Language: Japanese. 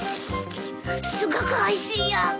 すごくおいしいよ！